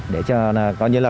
để cho gọi như là